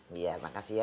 terima kasih ya